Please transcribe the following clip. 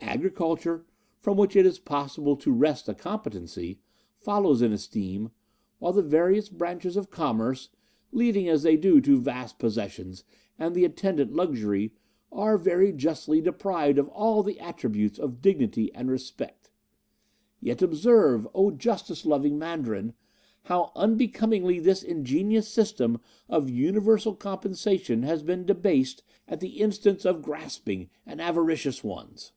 Agriculture, from which it is possible to wrest a competency, follows in esteem; while the various branches of commerce, leading as they do to vast possessions and the attendant luxury, are very justly deprived of all the attributes of dignity and respect. Yet observe, O justice loving Mandarin, how unbecomingly this ingenious system of universal compensation has been debased at the instance of grasping and avaricious ones.